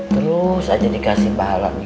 terus aja dikasih balap gini